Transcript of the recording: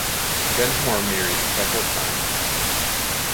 Densmore married several times.